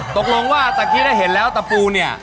ตกลงว่าตะกี้ได้เห็นแล้วตะปูเนี่ย